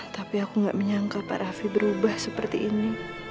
tapi aku gak menyangka pak rafi berubah seperti ini